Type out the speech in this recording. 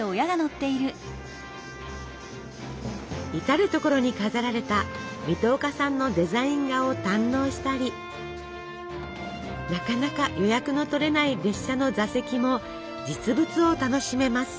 至る所に飾られた水戸岡さんのデザイン画を堪能したりなかなか予約の取れない列車の座席も実物を楽しめます。